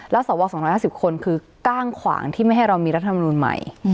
และสอบวอล๒๕๐คนคือก้างขวางที่ไม่ให้เรามีรัฐธรรมนุนใหม่